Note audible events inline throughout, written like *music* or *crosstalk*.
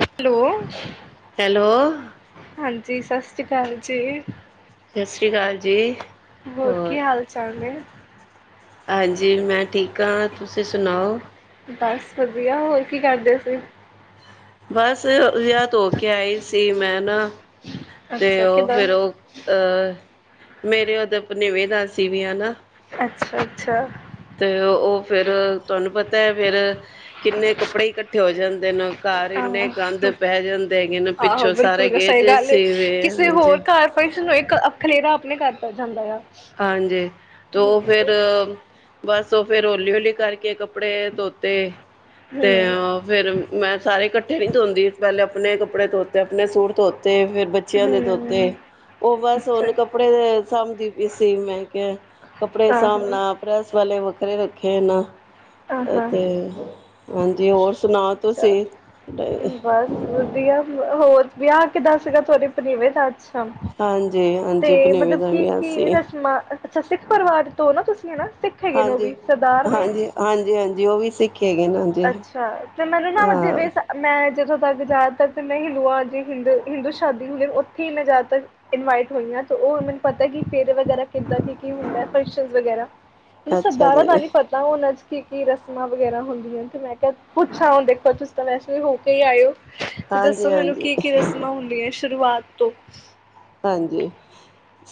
Hello hello ਸਤਿ ਹਾਂਜੀ ਸੱਸ ਸ਼੍ਰੀ ਅਕਾਲ ਜੀ। ਸਤਿ ਸ਼੍ਰੀ ਅਕਾਲ ਜੀ, ਕੀ ਹੋਰ- ਹਾਲ ਚਾਲ ਨੇ ਹਾਂਜੀ ਮੈਂ ਠੀਕ ਹਾਂ, ਤੁਸੀਂ ਸੁਣਾਓ ਬਸ ਵਧੀਆ ਹੋਰ ਕੀ ਕਰਦੇ ਸੀਂ ਤੇ ਮੈਂ ਨਾ ਤੇ ਅੱਛਾ ਉਹ, ਕਿੱਦਾਂ ਫਿਰ ਉਹ, ਅਹ ਮੇਰੇ ਔਦਰ ਬਨੇਵੇ ਦਾ ਸੀ ਵਆਹ ਨਾ। ਅੱਛਾ ਅੱਛਾ ਤੇ ਔ ਫੇਰ ਤੁਹਾਨੂੰ ਪਤਾ ਹੈ ਫੇਰ, ਕਿੰਨੇ ਕੱਪੜੇ ਇਕੱਠੇ ਹੋ ਜਾਂਦੇ ਨਾ। ਘਰ ਇੰਨੇ ਆਹ ਗੰਦ ਪੈ ਜਾਂਦੇ ਹੈਗੇ ਨ, ਆਹੋ ਪਿੱਛੋਂ ਸਾਰੇ ਬਿਲਕੁਲ ਗਏ ਸਹੀ ਦੇ ਗੱਲ ਸੀ ਵੀ ਫੇਰ, ਹਾਂਜੀ। ਅ ਖਲੇਰਾ ਆਪਣੇ ਘਰ ਪੈ ਜਾਂਦਾ ਆ। ਹਾਂਜੀ ਤੇ ਉਹ ਹਮ ਫੇਰ ਬੱਸ ਉਹ ਫੇਰ ਹੌਲੀ-ਹੌਲੀ ਕਰਕੇ ਕੱਪੜੇ ਧੋਤੇ। ਤੇ ਫੇਰ ਮੈਂ ਸਾਰੇ ਇਕੱਠੇ ਨੀ ਧੋਂਦੀ ਪਹਿਲੇ ਆਪਣੇ ਕੱਪੜੇ ਧੋਤੇ ਆਪਣੇ ਸੂਟ ਧੋਤੇ ਤੇ ਫੇਰ ਬੱਚਿਆਂ ਦੇ ਹਮ ਧੋਤੇ ਉਹ ਬਸ ਅੱਛਾ ਹੁਣ ਕੱਪੜੇ ਸਾਂਭਦੀ ਬਿਜ਼ੀ, ਮੈਂ ਕਿਹਾ ਕੱਪੜੇ ਆਹੋ ਸਾਮਣਾ ਪ੍ਰੈਸ ਵ ਤੇ ਵੱਖਰੇ ਰੱਖੇ ਨਾ ਆਹਾਂ ਤੇ ਹਾਂਜੀ ਹੋਰ ਸੁਣਾਓ ਅੱਛਾ ਤੁਸੀਂ, ਬਸ ਵਧੀਆ ਹੋਰ ਵਿਆਹ ਕਿੱਦਾਂ ਸੀਗਾ ਤੁਹਾਡੇ ਭਨੇਵੇਂ ਦਾ ਅੱਛਾ, ਹਾਂਜੀ ਹਾਂਜੀ ਤੇ ਪਨੇਵੇਂ ਮਤਲਬ ਦਾ ਕੀ- ਵੀ ਕੀ ਸੀ ਰਸਮਾਂ ਅੱਛਾ, ਸਿੱਖ ਪਰਿਵਾਰ ਤੋਂ ਨਾ ਤੁਸੀਂ ਹੈਨਾ, ਸਿੱਖ ਹੈਗੇ ਨੇ ਉਹ ਹਾਂਜੀ ਵੀ ਸਰਦਾਰ ਨੇ ਹਾਂਜੀ ਹਾਂਜੀ ਹਾਂਜੀ, ਉਹ ਵੀ ਸਿੱ ਅੱਛਾ, ਤੇ ਮੈਨੂੰ ਨਾ ਹਾਂ ਜਿਵੇਂ ਮੈਂ ਜਦੋਂ ਤ ਜਿਆਦਾ ਤੱਕ ਮੈਂ ਹਿੰਦੂਆਂ ਜ ਹਿੰਦੂ, ਹਿੰਦੂ ਸ਼ਾਦੀ ਹੁੰਦੇ ਉੱਥੇ ਹੀ ਮੈਂ ਜਿਆਦਾ ਤੱਕ ਇਨਵਾਈਟ ਹੋਈ ਹਾਂ, ਉਹ ਮੈਨੂੰ ਪਤਾ ਕਿ ਫੇਰ ਵਗੈਰਾ ਕਿੱਦਾਂ ਕੀ-ਕੀ ਹੁੰਦਾ। ਫਿਸ਼ੀਸ *inaudible* ਵਗੈਰਾ। ਮੈਨੂੰ ਅੱਛਾ ਸਰਦਾਰਾਂ ਦਾ ਜੀ ਨਹੀ ਪਤਾ, ਔਨਾ ਚ ਕੀ ਕੀ ਰਸਮਾਂ ਵਗੈਰਾ ਹੁੰਦੀਆਂ ਨੇ, ਤੇ ਮੈਂ ਕਿਹਾ ਪੁੱਛਾਂ ਹੁਣ ਦੇਖੋ ਤੁਸੀਂ ਤਾਂ ਵੈਸੇ ਵੀ ਹੋ ਕੇ ਹੀ ਆਏ ਹੋ। ਤੇ ਹਾਂਜੀ ਦੱਸੋ ਮੈਨੂੰ ਹਾਂਜੀ ਕੀ- ਕੀ ਰਸਮਾਂ ਹੁੰਦੀਆਂ ਸ਼ੁਰੂਆਤ, ਤੋ, ਹਾਂਜੀ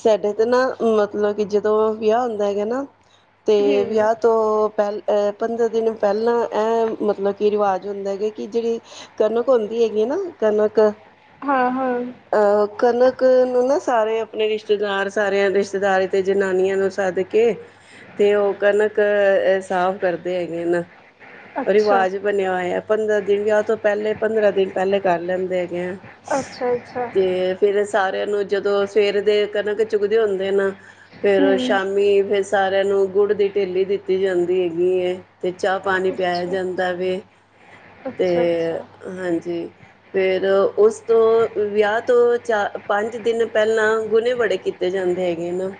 ਸਾਡੇ ਤੇ ਨਾ, ਮਤਲਬ ਕਿ ਜਦੋਂ ਵਿਆਹ ਹੁੰਦਾ ਹੈਗਾ ਨਾ ਹਮ ਤੇ ਵਿਆਹ ਤੋਂ ਪਹਿਲੇ - ਪੰਦਰਾਂ ਦਿਨ ਪਹਿਲਾਂ ਇਹ ਮਤਲਬ ਕਿ ਰਿਵਾਜ਼ ਹੁੰਦਾ ਹੈਗਾ ਕਿ ਜਿਹੜੀ ਕਨਕ ਹੁੰਦੀ ਹੈਗੀ ਹੈ ਨਾ ਕਨਕ, ਹਾਂ, ਹਾਂ ਕਨਕ ਕਈ ਆਂ ਨੂੰ ਨਾ ਸਾਰੇ ਆਪਣੇ ਰਿਸ਼ਤੇਦਾਰ ਸਾਰਿਆਂ ਰਿਸ਼ਤੇਦਾਰੀ ਤੇ ਜਨਾਨੀਆਂ ਨੂੰ ਸਦਕੇ, ਤੇ ਉਹ ਕਣਕ ਸਾਫ਼ ਕਰਦੇ ਹੈਗੇ ਹਨ, ਅੱਛਾ ਰਿਵਾਜ ਬਣਿਆ ਹੋਇਆ ਪੰਦਰਾਂ ਦਿਨ ਵਿਆਹ ਤੋਂ ਪਹਿਲੇ ਪੰਦਰਾਂ ਦਿਨ ਪਹਿਲੇ ਕਰ ਲੈਂਦੇ ਹੈਗੇ ਆ, ਅੱਛਾ ਅੱਛਾ ਤੇ ਫਿਰ ਨੂੰ ਜਦੋਂ ਸਵੇਰ ਦੇ ਕਣਕ ਚੁਗਦੇ ਹੁੰਦੇ ਨਾ ਫੇਰ ਉਹ ਹੂੰ ਸ਼ਾਮੀ ਫੇਰ ਸਾਰੇ ਮੁੰਡੇ ਨੂੰ ਗੁੜ ਦੀ ਢੇਲੀ ਦਿੱਤੀ ਜਾਂਦੀ ਹੈਗੀ ਹੈ ਤੇ ਚਾਹ ਪਾਣੀ ਪਿਆਇਆ ਅੱਛਾ ਜਾਂਦਾ ਵੇ ਤੇ ਅੱਛਾ ਅੱਛਾ ਹਾਂਜੀ ਫੇਰ ਉਸ ਤੋਂ ਵਿਆਹ ਤੋਂ ਚਾਹ ਪੰਜ ਦਿਨ ਪਹਿਲਾਂ ਗੁਣੇ ਬੜੇ ਕੀਤੇ ਜਾਂਦੇ ਹੈਗੇ ਨਾ।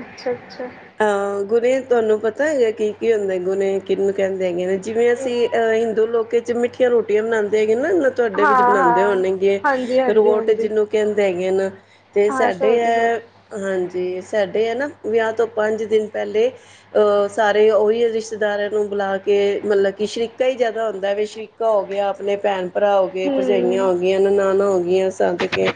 ਅੱਛਾਅੱਛਾ ਹਾਂ ਗੁਣੇ ਤੁਹਾਨੂੰ ਪਤਾ ਹੈਗਾ ਕੀ ਕੀ ਹੁੰਦਾ ਗੁਣੇ ਕਿਹਨੂੰ ਕਹਿੰਦੇ ਹੈਗੇ ਨੇ? ਜਿਵੇਂ ਅਸੀਂ ਅ ਹਿੰਦੂ ਲੋਕੇ ਚ ਮਿੱਠੀਆਂ ਰੋਟੀਆਂ ਬਣਾਉਂਦੇ ਹੈ। ਨਾ ਨਾ ਤੁਹਾਡੇ ਵਿੱਚ ਹਾਂ ਬਣਾਉਂਦੇ ਹਾਂ ਹੋਣਗੇ ਹਾਂਜੀ ਹਾਂਜੀ ਰੋਟ ਹਾਂਜੀ ਜਿਹਨੂੰ ਕਹਿੰਦੇ ਹੈਗੇ ਨਾ। ਤੇ ਹਾਂ ਸਾਡੇ ਸਮਝ ਸ ਹੈ ਹਾਂਜੀ ਸਾ ਨਾ ਵਿਆ ਤੋਂ ਪੰਜ ਦਿਨ ਪਹਿਲੇ ਅਹ ਸਾਰੇ ਉਹੀ ਰਿਸ਼ਤੇਦਾਰਾਂ ਨੂੰ ਬੁਲਾ ਕੇ ਮਤਲਬ ਕਿ ਸ਼ਰੀਕਾ ਹੀ ਜਿਆਦਾ ਹੁੰਦਾ ਵੇ ਸ਼ਰੀਕਾ ਹੋ ਗਿਆ ਆਪਣੇ ਭੈਣ ਭਰਾ ਹੋ ਗਏ ਭਰਜਾਈਆਂ ਹਮ ਹੋ ਗਈਆਂ ਨਨਾਨਾਂ ਹੋਗ ਜ ਸਦਕੇ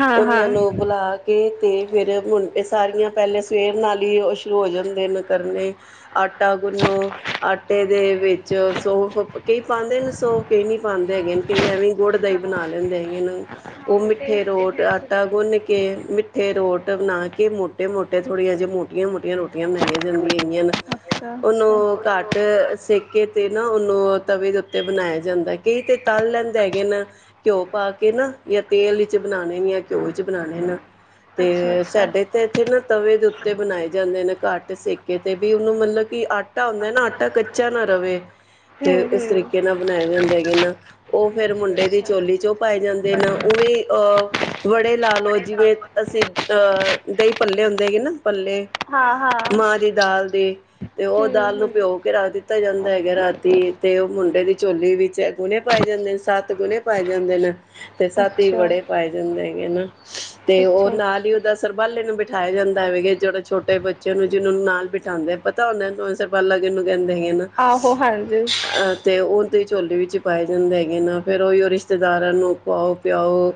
ਹਾਂ ਉਹਨਾਂ ਹਾਂ ਨੂੰ ਬੁਲਾ ਕੇ ਤੇ ਫਿਰ ਮੁੰਡੇ ਸਾਰੀਆਂ ਪਹਿਲੇ ਸਵੇਰ ਨਾਲੇ ਉਹ ਭੋਜਨ ਦਿਨ ਕਰਨੇ ਆਟਾ ਗੁੰਨੋ ਆਟੇ ਤੇ ਵਿੱਚ ਸੋਫ ਕਈ ਪਾਉਂਦੇ ਨੇ ਸੋਫ ਕਈ ਨੀ ਪਾਉਂਦੇ ਹੈਗੇ ਕਈ ਐਵੇਂਹੀ ਗੁੜ ਦਾ ਹੀ ਹਾਂ ਬਣਾ ਲੈਂਦੇ ਹੈਗੇਨ ਉਹ ਮਿੱਠੇ ਟੇਸਟ ਰੋਟ ਇਨਹੈਂਸ ਹੋ ਆਟਾ ਜਾਂਦਾ ਗੁੰਨ ਕੇ ਮਿੱਠੇ ਰੋਟ ਮਤਬ ਨਾ ਕੇ ਮੋਟੇ ਮੋਟੇ ਥੋੜੀਜੇ ਕਿ ਰੋਟੀਆਂ ਬਣਾਈਆਂ ਜਾਂਦੀਆਂ ਹੈਗੀਆਂਨ ਇਸ ਅੱਛਾ ਉਹਨੂੰ ਅੱਛਾ ਘੱਟ ਸੇਕੇ ਤੇ ਨਾ ਉਹਨੂੰ ਤਵੇ ਦੇ ਉੱਤੇ ਬਣਾਇਆ ਜਾਂਦਾ ਕਈ ਤੇ ਤਲ ਲੈਂਦੇ ਹੈਗੇਨ ਘਿਓ ਪਾ ਕੇ ਨਾ ਯਾ ਤੇਲ ਵਿੱਚ ਬਣਾਉਣੇਨ ਯਾਂ ਘਿਓ ਵਿੱਚ ਬਣਾਉਣੇ ਨਾ ਤੇ ਅੱਛਾ ਅੱਛਾ ਸਾਡੇ ਤੇ ਇੱਥੇ ਨਾ ਤਵੇ ਦੇ ਉੱਤੇ ਜਾਂਦੇ ਨੇ ਘੱਟ ਸੇਕੇ ਤੇ ਵੀ ਉਹਨੂੰ ਮਤਲਬ ਕਿ ਆੱਟ ਆਟਾ ਹੁੰਦਾ ਹੈ ਨਾ ਆਟਾ ਕੱਚਾ ਨਾ ਤਵੇ ਤੇ ਹਮ ਇਸ ਹਮ ਤਰੀਕੇ ਨਾਲ ਬਣਾਏ ਜਾਂਦੇ ਹੈਗੇ ਨਾ ਉਹ ਫੇਰ ਅੱਛਾ ਮੁੰਡੇ ਦੀ ਅੱਛਾ ਝੋਲੀ ਚ ਉਹ ਪਾਏ ਜਾਂਦੇ ਨਾ ਉਹਵੇ ਅਹ ਵੜੇ ਲਾ ਲਓ ਜਿਵੇਂ ਅਸੀਂ ਅਹ ਦਹੀਂ ਭੱਲੇ ਹੁੰਦੇ ਹੈਗੇ ਨਾ ਪੱਲੇ, ਹਾਂ ਹਾਂ ਮਾਂ ਦੀ ਦਾਲ ਦੀ ਤੇ ਉਹ ਹਮ ਦਾਲ ਨੂੰ ਹਮ ਭਿਓ ਕੇ ਰੱਖ ਦਿੱਤਾ ਜਾਂਦਾ ਹੈਗਾ ਰਾਤੀ। ਤੇ ਉਹ ਮੁੰਡੇ ਦੀ ਚੋਲੀ ਵਿੱਚ ਗੁਣੇ ਪਾਏ ਜਾਂਦੇ ਨੇ, ਸੱਤ ਗੁਣੇ ਪਾਏ ਜਾਂਦੇ ਨੇ। ਤੇ ਸਤ ਹੀ ਅੱਛਾ ਵੜੇ ਪਾਏ ਜਾਂਦੇ ਹੈਗੇ ਨਾ, ਤੇ ਉਹ ਅੱਛਾ ਨਾਲ ਹੀ ਅੱਛਾ ਉਹਦਾ ਸਰਬਾਲੇ ਨੂੰ ਬੀ ਠਾਆ ਜਾਂਦਾ ਵੇ *unintelligible* ਜਿਹੜੇ ਛੋਟੇ ਬੱਚੇ ਨੂੰ ਜਿਹਨਾਂ ਨੂੰ ਨਾਲ ਬਿਠਾਉਦੇ ਪਤਾ ਹੁੰਦਾ *unintelligible* ਸਰਬਾਲਾ ਕਿਨੂੰ ਦੇਂਦੇ ਹੀ ਹੈ ਨਾ, ਆਹੋ ਹਾਂਜੀ ਅਹ ਤੇ ਉਹ ਤੇ ਝੋਲੀ ਵਿੱਚ ਪਾਏ ਜਾਂਦੇ ਹੈਗੇ ਨਾ, ਫਿਰ ਉਹੀਓ ਰਿਸ਼ਤੇਦਾਰਾਂ ਨੂੰ ਖਵਾਉ ਪਿਆਓ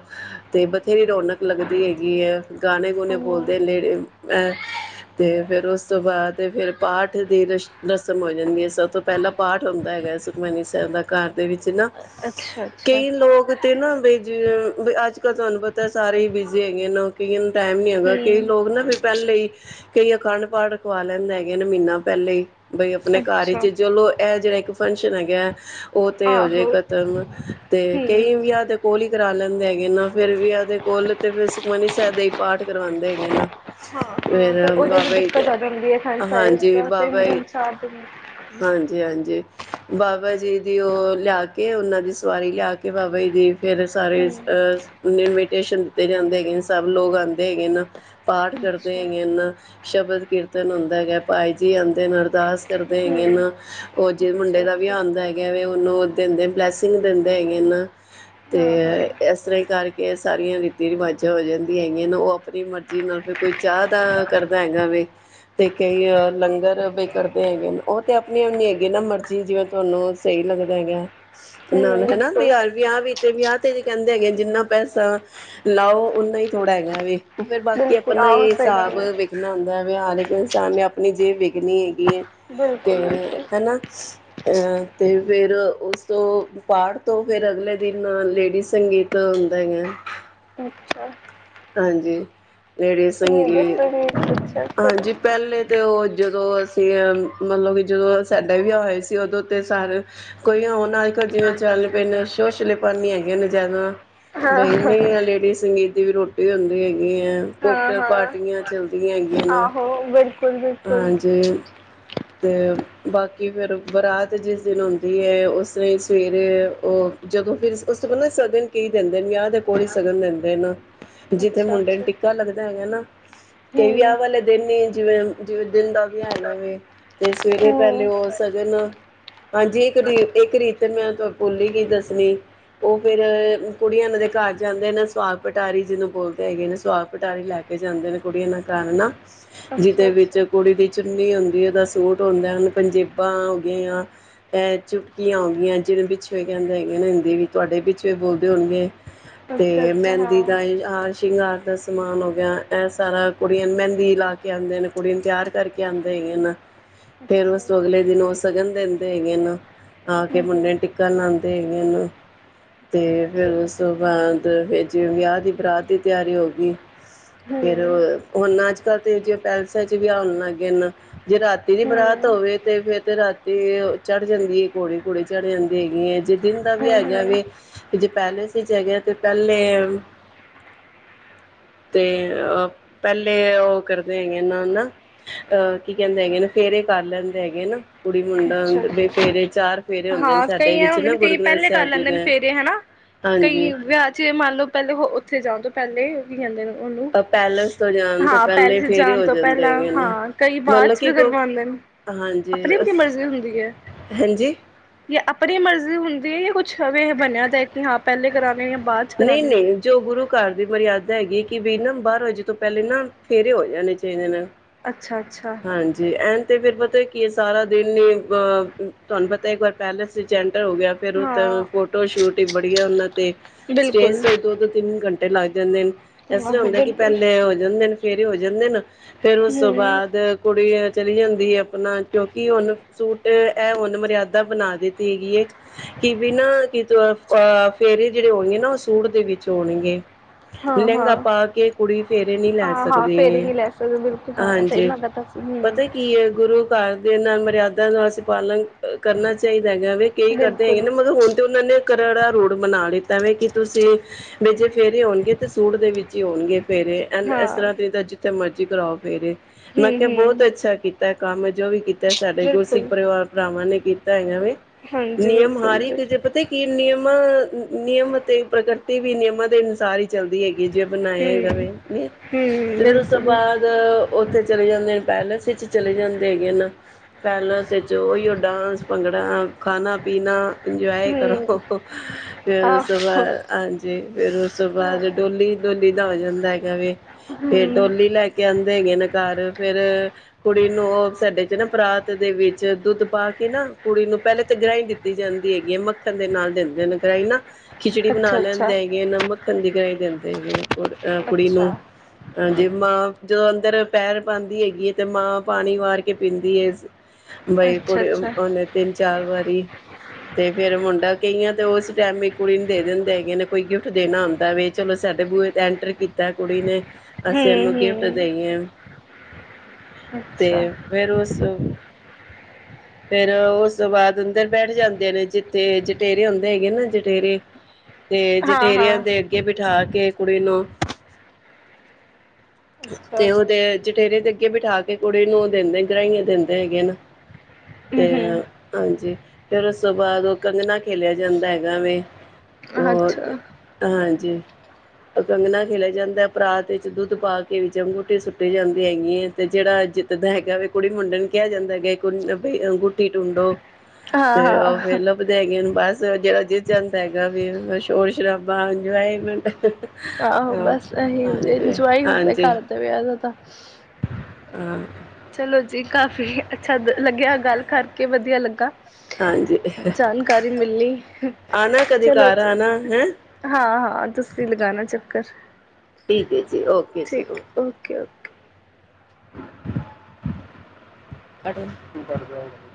ਤੇ ਬਥੇਰੀ ਰੌਣਕ ਲੱਗਦੀ ਹੈਗੀ ਏ। ਗਾਣੇ ਗੂਣੇ ਬੋਲਦੇ ਲੇ ਏਹ ਤੇ ਫਿਰ ਉਸ ਤੋਂ ਬਾਅਦ ਫ਼ਿਰ ਪਾਠ ਦੀ ਰਸ਼ ਰਸਮ ਹੋ ਜਾਂਦੀ ਹੈ। ਸਭ ਤੋਂ ਪਹਿਲਾਂ ਪਾਠ ਹੁੰਦਾਂ ਹੈਗਾ ਸੁਖਮਨੀ ਸਾਹਿਬ ਦਾ, ਘਰ ਦੇ ਵਿੱਚ ਨਾਂ। ਅੱਛਾ ਅੱਛਾ ਕਈ ਲੋਕ ਤੇ ਨਾਂ ਬਈ ਜਿ ਬੀ ਅੱਜ ਕੱਲ੍ਹ ਤੁਹਾਂਨੂੰ ਪਤਾ ਏ ਸਾਰੇ ਹੀ ਬਿਜ਼ੀ ਹੈਗੇ ਨੇ ਨੌਕਰੀਆਂ ਟੈਮ ਨੀਂ ਹੈਗਾ ਕਈ ਹਮ ਲੋਗ ਨਾਂ ਫ਼ਿਰ ਰੱਖਣ ਲਈ, ਕਈ ਅਖੰਡ ਪਾਠ ਰਖਵਾ ਲੈਂਦੇ ਹੈਗੇ ਨੇਂ ਮਹੀਨਾ ਪਹਿਲੇ ਹੀ। ਬਈ ਆਪਣੇ ਘਰ ਅੱਛਾ ਈਚ ਚਲੋਂ ਇਹ ਜਿਹੜਾ ਇੱਕ ਫੰਕਸ਼ਨ ਹੈਗਾ ਐਂ ਉਹ ਤੇ ਹੋਜ਼ੇ ਆਹੋ ਖ਼ਤਮ ਤੇ ਹਮ ਕਈ ਵਿਆਹ ਦੇ ਕੋਲ਼ ਹੀ ਕਰਾ ਲੈਂਦੇ ਹੈਗੇ ਨਾਂ, ਫ਼ਿਰ ਵਿਆਹ ਦੇ ਕੋਲ਼, ਤੇ ਫ਼ਿਰ ਸੁਖਮਨੀ ਸਾਹਿਬ ਦਾ ਹੀ ਪਾਠ ਕਰਵਾਉਂਦੇ ਹੈਗੇ ਨਾ। ਹਾਂ ਹਾਂ ਫ਼ਿਰ ਫਿਰ ਉਹਦੇ ਚ ਬਾਬਾ ਜੀ ਦਿੱਕਤ ਦੇ, ਆ ਜਾਂਦੀ ਹੈ ਅਖੰਡ ਸਾਹਿਬ ਵਿੱਚ ਹਾਂਜੀ ਤਾਂ ਤਿੰਨ ਬਾਬਾ ਜੀ, ਦਿਨ ਚਾਰ ਦਿਨ ਹਾਂਜੀ-ਹਾਂਜੀ। ਬਾਬਾ ਜੀ ਦੀ ਉਹ ਲ਼ਿਆ ਕੇ, ਉਹਨਾਂ ਦੀ ਸਵਾਰੀ ਲ਼ਿਆ ਕੇ, ਬਾਬਾ ਜੀ ਦੀ ਫ਼ਿਰ ਸਾਰੇ ਹਮ ਅਹ ਇਨਵੀਟੇਸ਼ਨ ਦਿੱਤੇ ਜਾਂਦੇ ਹੈਗੇ ਨੇ, ਸਭ ਲੋਕ ਆਉਂਦੇ ਹੈਗੇ ਨਾ। ਪਾਠ ਕਰਦੇਂ ਅੱਛਾ ਹੈਗੇ ਨਾ। ਸ਼ਬਦ ਕੀਰਤਨ ਹੁੰਦਾ ਹੈਗਾ, ਭਾਈ ਜੀ ਆਉਂਦੇ ਨੇ, ਅਰਦਾਸ ਕਰਦੇ ਹੈਗੇ ਹਮ ਨਾ, ਉਹ ਜਿਹ ਮੁੰਡੇ ਅੱਛਾ ਦਾ ਅੱਛਾ ਵਿਆਹ ਹੁੰਦਾ ਹੈਗਾ ਵਾ, ਉਹਨੂੰ ਦਿੰਦੇ ਬਲੈਸਿੰਗ ਦਿੰਦੇ ਹੈਗੇ ਨਾ। ਤੇ ਹਾਂ ਹਾਂ ਹਮ ਏਸ ਤਰ੍ਹਾਂ ਹੀ ਕਰਕੇ ਸਾਰੀਆਂ ਰੀਤੀ ਰਿਵਾਜ਼ਾਂ ਹੋ ਜਾਂਦੀਆਂ ਹੈਗੀਆਂ ਨਾ, ਉਹ ਆਪਣੀ ਮਰ ਜੀ ਨਾਲ਼ ਫਿਰ ਕੋਈ ਚਾਹ ਦਾ ਕਰਦਾ ਹੈਗਾ ਵੇ, ਤੇ ਕਈ ਲੰਗਰ ਬਈ ਕਰਦੇਂ ਹੈਗੇ ਨੇਂ, ਉਹ ਤੇ ਆਪਣੀਂ-ਆਪਣੀ ਹੈਗੀ ਨਾ, ਮਰਜੀ ਜਿਵੇਂ ਤੁਹਾਂਨੂੰ ਸਹੀ ਲੱਗਦਾ ਹੈਗਾ, ਨਾਲ ਹਨਾ ਬਿਲਕੁਲ *unintelligible* ਵਿਆਹ ਵੀ ਤੇ ਵਿਆਹ ਤੇ ਵੀ ਕਹਿੰਦੇ ਹੈਗੇ, ਜਿੰਨਾਂ ਪੈਸਾਂ ਲਾਓ ਓਨਾਂ ਹੀ ਥੋੜ੍ਹਾਂ ਹੈਗਾ ਵੇ। ਕਿ ਬਿਲਕੁਲ ਆਪਣਾਂ ਹੀ ਆਹੋ ਸਹੀ ਗੱਲ ਹਿਸਾਬ ਹੈ ਵੇਖਣਾ ਹੁੰਦਾਂ ਐ। ਬਈ ਹਰ ਇੱਕ ਇਨਸਾਨ ਨੇਂ ਆਪਣੀਂ ਜੇਬ ਵੇਖਣੀ ਹੈਗੀ ਏ। ਤੇ ਬਿਲਕੁਲ ਬਿਲਕੁਲ ਹਨਾ। ਏਹ ਤੇ ਫ਼ਿਰ ਉਸ ਤੋਂ ਪਾਠ ਤੋਂ ਫ਼ਿਰ ਅਗਲੇ ਦਿਨ ਲੇਡੀਜ਼ ਸੰਗੀਤ ਹੁੰਦਾਂ ਹੈਗਾ। ਅੱਛਾ ਹਾਂਜੀ ਲੇਡੀਜ਼ ਇਹਦੇ ਸੰਗੀ, ਸਰੀਰ ਅੱਛਾ ਫਿਰ ਹਾਂਜੀ ਪਹਿਲੇ ਤੇ ਉਹ ਜਦੋਂ ਅਸ ਤੇ ਮੱਤਲਬ ਕਿ ਜਦੋਂ ਸਾਡਾ ਵੀ ਵਿਆਹ ਹੋਇਆ ਸੀ, ਉਦੋਂ ਤੇ ਸਾਰੇ ਕੋਈ ਹੁਣ ਅ ਕੱਲ ਜਿਵੇਂ ਚੱਲ ਪਏ ਨੇ ਸ਼ੋਸ਼ਲੇਪੰਨ ਹੀ ਹੈਗੇ ਨੇ। ਹੈ ਨਾ ਹਾਂ ਨਹੀਂ-ਨਹੀਂ ਐ ਹਾਂ ਲੇਡੀਜ਼ ਸੰਗੀਤ ਦੀ ਵੀ ਰੋ ਟੀ ਹੁੰਦੀ ਹੈਗੀ ਏ, ਕੋਕਟਲ ਹਾਂ ਪਾਰਟੀਆਂ ਚੱਲਦੀਆਂ ਹੈਗੀ ਆਹੋ ਵੀ ਹਾਂਜੀੇ। ਤੇ ਬਾਂਕੀ ਫ਼ਿਰ ਬਰਾਤ ਜਿਸ ਦਿਨ ਹੁੰਦੀ ਹੈ। ਉਸ ਦਿਨ ਸਵੇਰੇ ਉਹ ਜਦੋਂ ਫਿਰ ਉਸ ਤੋਂ ਪਹਿਲਾਂ ਸ਼ਗਨ ਕੀ ਦਿੰਦੇ ਨੇਂ ਵਿਆਹ ਦੇ ਕੋਲ਼ ਹੀ ਸ਼ਗਨ ਦਿੰਦੇਂ ਨੇਂ। ਜਿੱਥੇ ਅੱਛਾ ਮੁੰਡੇ ਨੂੰ ਅੱਛਾ ਟਿੱਕਾ ਲੱਗਦਾ ਹੈਗਾ ਨਾਂ ਕਈ ਹਮ ਵਿਆਹ ਵਾਲੇ ਦਿਨ ਹੀ ਜਿਵੇਂ। ਜਿਵੇਂ ਦਿਨ ਦਾ ਵੀ ਹੈਗਾ ਵੇ ਤੇ ਸਵੇਰੇ ਪਹਿਲੇ ਹਮ ਹੋ ਸ਼ਗਨ ਹਾਂਜੀ ਇੱਕ ਇੱਕ ਰੀਤ ਮੈਂ ਬੋਲੀ ਗਈ ਦੱਸਣੀ ਉਹ ਫਿਰ ਕੁੜੀਆਂ ਦੇ ਘਰ ਜਾਂਦੇ ਨੇ ਸੁਆਗ ਪਟਾਰੀ ਜਿਦੋਂ ਬੋਲਦੇ ਹੈਗੇ ਨੇ ਸੁਆਗ ਪਟਾਰੀ ਲੈ ਕੇ ਜਾਂਦੇ ਨੇ ਕੁੜੀਆਂ ਉਹਨਾ ਘਰ ਨਾ ਅੱਛਾ ਜਿਹਦੇ ਵਿੱਚ ਅੱਛਾ ਕੁੜੀ ਦੀ ਚੁੰਨੀ ਹੁੰਦੀ ਉਹਦਾ ਸੂਟ ਹੁੰਦਾ ਹੁਣ ਪੰਜੇਬਾਂ ਹੋ ਗਈਆਂ ਪੈਰ ਚੁਟਕੀਆਂ ਹੋ ਗਈਆਂ ਜਿਹਨੂੰ ਪਿੱਛਵੇਂ ਕਹਿੰਦੇ ਹੈਗੇ ਨਾ ਹਿੰਦੀ ਵੀ ਤੁਹਾਡੇ ਪਿੱਛਂ ਬੋਲਦੇ ਹੋਣਗੇ ਤੇ ਅੱਛਾ ਅੱਛਾ ਮਹਿੰਦੀ ਹਾਂ ਦਾ ਹਾਰ ਸ਼ਿੰਗਾਰ ਦਾ ਸਮਾਨ ਹੋ ਗਿਆ ਇਹ ਸਾਰਾ ਕੁੜੀਆਂ ਨੂੰ ਮਹਿੰਦੀ ਲਾ ਕੇ ਆਉਂਦੇਆਂ ਨੇ ਕੁੜੀ ਨੂੰ ਤਿਆਰ ਕਰਕੇ ਆਉਂਦੇ ਹੈ ਨਾ ਫਿਰ ਅੱਛਾ ਉਸ ਅਗਲੇ ਦਿਨ ਹੋ ਸ਼ਗਨ ਦੇ ਦਿੰਦੇ ਹੈਗ ਨਾ ਆ ਕੇ ਹੂੰ-ਹੂੰ, ਮੁੰਡੇ ਨੇ ਟਿੱਕਾ ਲਾਉਂ ਤੇ ਵੀਨ ਅਤੇ ਫਿਰ ਹੂੰ, ਉਸ ਤੋਂ ਬਾਅਦ ਫ ਜਿਵੇਂ ਵਿਆਹ ਦੀ ਬਰਾਤ ਦੀ ਤਿਆਰੀ ਹੋ ਗਈ ਫੇਰ ਹੂੰ, ਹੁਣ ਅੱਜ ਕੱਲ ਤੇ ਪੈਲਾਸ ਚ ਵੀ ਆਉਣ ਲੱਗਗੇ ਨੇ ਜੇ ਰਾਤੀ ਦੀ ਬਰਾਤ ਹੋਵੇ ਤੇ ਫੇਿਰ ਤੇ ਰਾਤੀ ਚੜ੍ਹ ਜਾਂਦੀ ਹੈ ਘੋੜੀ ਘੂੜੀ ਚੜ ਜਾਂਦੀ ਹੈਗੀ ਹੈ ਜਿ ਦਿਨ ਦਾ ਵੀ ਹੈ ਹੂੰ-ਹੂੰ, ਵੇ ਜੇ ਪੈਲਸ ਸੀ ਚ ਹੈਗੇ ਤੇ ਪਹਿਲੇ ਤੇ ਅ ਪਹਿਲੇ ਉਹ ਕਰਦੇ ਹੈਗੇ ਨਾ ਨਾ ਕੀ ਕਹਿੰਦੇ ਹੈਗੇ ਫੇਰੇ ਕਰ ਲੈਂਦੇ ਹੈਗੇ ਨਾ ਕੁੜੀ ਮੁੰਡਾ ਅੱਛਾ ਦੇ ਫੇਰੇ ਚਾਰ ਫੇਰੇ ਹੁੰਦੇ ਨੇ ਹਾਂ ਸਾਡੇ ਕਈ ਐ ਵਿੱਚ ਹੁੰਦੇ ਨਾ ਨੇ ਗੁਰੂ ਕਈ ਗ੍ਰੰਥ ਪਹਿਲੇ ਕਰ ਸਾਹਿਬ ਜੀ ਲੈਂਦੇ ਨੇ ਦੇ ਫੇਰੇ ਹਨਾ ਕਈ ਹਾਂਜੀ ਵਿਆਹ ਚ ਮੰਨ ਲਓ ਪਹਿਲੇ ਉੱਥੇ ਜਾਣ ਤੋਂ ਪਹਿਲੇ ਕੀ ਕਹਿਦੇ ਨੇ ਉਹਨੂੰ ਪੈਲੇਸ ਤੋਂ ਜਾਣ ਤੋਂ ਹਾਂ ਪਹਿਲੇ ਪੈਲਸ ਫੇਰੇ ਹੀ ਜਾਣ ਹੋ ਤੋਂ ਜਾਂਦੇ ਪਹਿਲਾਂ ਹੈਗੇ ਨ ਹਾਂ ਕਈ ਬਾਅਦ ਮਤਲਬ ਚ ਕੀ ਵੀ ਕੋ ਹਾਂਜੀ ਇਹ ਹੁੰਦੀ ਹੈ ਹਾਂਜੀ ਜਾਂ ਆਪਣੀ ਮਰਜ਼ੀ ਹੁੰਦੀ ਹੈ ਜਾਂ ਕੁਛ ਇਹ ਬਣਿਆ ਦਾ ਕਿ ਹਾਂ ਪਹਿਲੇ ਕਰਾਉਣੇ ਜਾਂ ਬਾਅਦ ਚ ਨਹੀਂ ਕਰਾਣੇ। ਨਹੀਂ ਜੋ ਗੁਰੂ ਘਰ ਦੀ ਮਰਿਆਦਾ ਹੈਗੀ ਕਿ ਵੀ ਨਾ ਬਾਰਾ ਵਜੇ ਤੋਂ ਪਹਿਲੇ ਨਾ ਫੇਰੇ ਹੋ ਜਾਣੇ ਚਾਹੀਦੇ ਨੇ ਅੱਛਾ-ਅੱਛਾ, ਹਾਂਜੀ ਐਨ ਤੇ ਫਿਰ ਕੀ ਇਹ ਸਾਰਾ ਦਿਨ ਅ ਤੁਹਾਨੂੰ ਪਤਾ ਇੱਕ ਵਾਰ ਪੈਲਸ ਚ ਹੋ ਗਿਆ ਫਿਰ ਉਥ ਹਾਂ ਫੋਟੋ ਸ਼ੂਟ ਹੀ ਬੜੀਆ ਉਹਨਾਂ ਤੇ ਸਟੇਜ ਬਿਲਕੁਲ ਤੋਂ ਦੋ-ਦੋ ਤਿੰਨ ਘੰਟੇ ਤੇ ਲੱਗ ਜਾਂਦੇ ਨੇ ਇਸਰਾਂ ਆਹੋ ਹੁੰਦਾ ਕਿ ਬਿਲਕੁਲ ਪਹਿਲੇ ਹੋ ਜਾਂਦੇ ਨੇ। ਫੇਰੇ ਹੋ ਜਾਂਦੇ ਨੇ ਫਿਰ ਉਸ ਤੋਂ ਹੂੰ, ਬਾਅਦ ਕੁੜੀ ਚਲੀ ਜਾਂਦੀ ਐ ਆਪਣਾ ਕਿਉਂਕਿ ਉਹਨ ਸੂਟ ਇਹ ਹੁਨ ਮਰਿਆਦਾ ਬਣਾ ਦਿੱਤੀ ਹੈਗੀ ਕਿ ਵੀ ਨਾ ਕਿ ਤ ਫੇਰੇ ਜਿਹੜੇ ਹੁਣਗੇ ਨਾ ਉਹ ਸੂਟ ਦੇ ਵਿੱਚ ਹੋਣਗੇ। ਲਹਿੰਗਾ ਹਾਂ-ਹਾਂ। ਪਾ ਕੇ ਕੁੜੀ ਫੇਰੇ ਨਹੀਂ ਲੈ ਹਾਂ ਹਾਂ ਸਕਦੀ, ਫੇਰਿੰਗ ਹੀ ਲੈ ਸਕਦੇ ਬਿਲਕੁਲ ਹਾਂ ਸਹੀ ਹਾਂਜੀ। ਮੈਂ ਪਤਾ ਸੀ ਹੂੰ ਪਤਾ ਕੀ ਐ ਗੁਰੂ ਘਰ ਦੇ ਨਾਲ ਮਰਿਆਦਾ ਨੂੰ ਅਸੀਂ ਪਾਲਣ ਕਰਨਾ ਚਾਹੀ ਦਾ ਹੈਗਾ ਵੇ ਕਈ ਕਰਦੇ ਹੈਗੇ ਨੇ ਬਿਲਕੁਲ ਮਗਰ ਹੁਣ ਤੇ ਉਹਨਾਂ ਨੇ ਕਰੜਾ ਰੂਡ ਬਣਾ ਲਤਾ ਵ ਕਿ ਤੁਸੀਂ ਵੀੇ ਜੇ ਫੇਰੇ ਹੋਣਗੇ ਤੇ ਸੂਟ ਦੇ ਵਿੱਚ ਹੀ ਹੁਣਗੇ। ਫੇਰੇ ਇਸ ਹਾਂ ਤਰ੍ਹਾਂ ਦੀ ਜਿੱਥੇ ਮਰਜ਼ੀ ਕਰਾਓ ਫੇਰੇ। ਮੈਂ ਹੂੰ ਕਿਹਾ ਹੂੰ ਬਹੁਤ ਅੱਛਾ ਕੀਤਾ ਕੰਮ ਜੋ ਵੀ ਕੀਤਾ ਸਾਡੇ ਗੁਰਸਿੱਖ ਬਿਲਕੁਲ ਪਰਿਵਾਰ ਭਰਾਵਾਂ ਨੇ ਕੀਤਾ। ਤਾਂ ਹੈਗਾ ਵੇ। ਹਾਂਜੀ ਨਿਯਮ ਬਿਲਕੁਲ ਹਾਰੀ ਜੀ ਕਿ ਜੇ ਪਤਾ ਕੀ ਨਿਯਮ ਨਿਯਮ ਅਤੇ ਪ੍ਰਕਿਰਤੀ ਵੀ ਨਿਯਮਾਂ ਦੇ ਅਨੁਸਾਰ ਹੀ ਚੱਲਦੀ ਹੈਗੀ। ਜਿ ਬਣਾਏ ਹੂੰ ਗਵੇ ਹਨ ਹੂੰ ਤੇ ਫਿਰ ਉਸ ਤੋਂ ਬਿਲਕੁਲ ਬਾਅਦ ਚਲੇ ਜਾਂਦੇ ਨੇ ਪੈਲੇਸ ਵਿੱਚ ਚਲੇ ਜਾਂਦੇ ਹੈਗੇ ਹਨ ਪੈਲੇਸ ਵਿੱਚ ਉਹੀਓ ਡਾਂਸ ਭੰਗੜਾ ਖਾਣਾ ਪੀਣਾ ਇੰਜੋਏ ਕਰੋ ਹੂੰ ਫਿਰ ਉਸ ਤੋਂ ਆਹੋ ਬਾਅਦ ਹਾਂ ਜੀ। ਫੇਰ ਉਸ ਤੋਂ ਬਾਅਦ ਡੋਲੀ, ਡੋਲੀ ਦਾ ਹੋ ਜਾਂਦਾ ਹੈਗਾ ਵੀ ਫੇਰ ਹੂੰ ਡੋਲੀ ਲੈ ਕੇ ਆਉਂਦੇ ਹੈਗੇ ਨੇ। ਘਰ ਫਿਰ ਕੁੜੀ ਨੂੰ ਉਹ ਸਾਡੇ ਚ ਨਾ ਪਰਾਤ ਦੇ ਵਿੱਚ ਦੁੱਧ ਪਾ ਕੇ ਨਾ ਕੁੜੀ ਨੂੰ ਪਹਿਲੇ ਤਾਂ ਗ੍ਰਾਹੀਂ ਦਿੱਤੀ ਜਾਂਦੀ ਹੈਗੀ ਐ ਮੱਖਣ ਦੇ ਨਾਲ ਦਿੰਦੇ ਨੇ ਗ੍ਰਾਹੀਂ ਨਾਂ। ਖਿਚੜੀ ਬਣਾ ਅੱਛਾ ਲੈਂਦੇ ਅੱਛਾ ਹੈਗੇ ਇਹ ਨੂੰ ਮੱਖਣ ਦੀ ਗਈ ਗ੍ਰਾਹੀ ਦਿੰਦੇ *inaudible* ਕੁੜ ਅਹ ਕੁੜੀ ਨੂੰ ਅੱਛਾ ਆ ਜੇ ਮਾਂ ਜਦੋਂ ਅੰਦਰ ਪੈਰ ਪਾਂਦੀ ਹੈਗੀ ਐ ਤੇ ਮਾਂ ਪਾਣੀ ਵਾਰ ਕੇ ਪੀਂਦੀ ਐ। ਬਈ ਅੱਛਾ ਕੁੜੀ ਅੱਛਾ ਉਹਨੇ ਤਿੰਨ-ਚਾਰ ਵਾਰੀ ਤੇ ਫੇਰ ਮੁੰਡਾ ਕਈਆਂ ਤੇ ਉਸ ਟਾਈਮ ਇੱਕ ਕੁੜੀ ਨੂੰ ਦੇ ਦਿੰਦੇ ਹੈਗੇ ਨੇ ਕੋਈ ਗਿਫਟ ਦੇਣਾ ਹੁੰਦਾ ਵੇ ਚਲੋ ਸਾਡੇ ਬੂਹੇ ਤੇ ਐਂਟਰ ਕੀਤਾ ਕੁੜੀ ਨੇ ਹੂੰ ਅਸੀਂ ਇਹਨੂੰ ਗਿਫਟ ਹੂੰ ਦੇਈਏ। ਤੇ ਅੱਛਾ ਫਿਰ ਉਸ ਫਿਰ ਉਸ ਤੋਂ ਬਾਅਦ ਅੰਦਰ ਬੈਠ ਜਾਂਦੇ ਨੇ ਜਿੱਥੇ ਜਟੇਰੇ ਹੁੰਦੇ ਹੈਗੇ ਨਾ ਜਟੇਰੇ ਤੇ ਹਾਂ ਜਠੇਰਿਆਂ ਹਾਂ ਦੇ ਅੱਗੇ ਬਿਠਾ ਕੇ ਕੇ ਕੁੜ ਨੂੰ ਅੱਛਾ ਤੇ ਉਹ ਤੇ ਜਠੇਰੇ ਦੇ ਅੱਗੇ ਬਿਠਾ ਕੇ ਕੁੜੀ ਨੂੰ ਉਹ ਦਿੰਦੇ ਗਰਾਹੀਆਂ ਦਿੰਦੇ ਹੈਗੇ ਨਾ ਤੇ ਹੂੰ ਹਾਂਜੀ ਫਿਰ ਉਸ ਤੋਂ ਬਾਅਦ ਉਹ ਕੰਘਣਾ ਖੇਲਿਆ ਜਾਂਦਾ ਹੈਗਾ ਵੇ ਹੋਰ ਅੱਛਾ ਹਾਂਜੀ ਅ ਕੰੰਗਣਾ ਖਿਲਾਿਆ ਜਾਂਦਾ ਹੈ ਪਰਾਤ ਵਿੱਚ ਦੁੱਧ ਪਾ ਕੇ ਵਿੱਚ ਅੰਗੂਠੀ ਸੁੱਟ ਜਾਂਦੀ ਹੈਗੀ ਹੈ ਤੇ ਜਿਹੜਾ ਜਿੱਤਦਾ ਹੈਗਾ ਵੀ ਕੁੜੀ ਮੁੰਡਣ ਕਿਹਾ ਜਾਂਦਾ ਹੈਗਾ ਗੁੱਠੀ ਟੁੰਡੋ ਹਾਂ ਤੇ ਉਹ ਫੇ ਹਾਂ ਲੱਭਦੇ ਹੈਗੇ ਨੂੰ ਬਸ ਜਿਹੜਾ ਜਿੱਤ ਜਾਂਦਾ ਹੈਗਾ ਵੀ ਸ਼ੋਰ ਸ਼ਰਾਬਾ ਇੰਜੋਏਮੈਂਟ ਆਹੋ ਹਾਂਜੀ ਬਸ ਇਹੀ ਹੁੰ ਇੰਜੋਏ ਹੁੰਦੇ ਘਰ ਦੇ ਵਿਆਹ ਦਾ ਤਾਂ ਅ ਚਲੋ ਜੀ ਕਾਫੀ ਅੱਛਾ ਲੱਗਿਆ ਗੱਲ ਕਰਕੇ ਵਧੀਆ ਲੱਗਾ ਹਾਂਜੀ ਜਾਣਕਾਰੀ ਮਿਲੀ ਆਣਾ ਕਦੇ ਚਲੋ ਘਰ ਜੀ ਆਣਾ ਹੈਂ ਹਾਂ ਹਾਂ ਤੁਸੀ ਲਈ ਲਗਾਣਾ ਚੱਕਰ ਠੀਕ ਹੈ ਜੀ ਓਕੇ ਜੀ ਠੀਕ ਓਕੇ ਓਕੇ-ਓਕੇ। ਠ ਤੂੰ ਕਰ